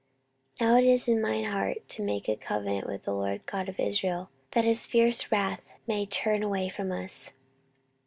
14:029:010 Now it is in mine heart to make a covenant with the LORD God of Israel, that his fierce wrath may turn away from us.